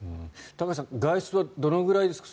高橋さん外出はどのぐらいですか？